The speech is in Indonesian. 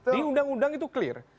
di undang undang itu clear